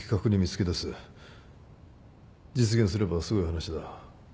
実現すればすごい話だ。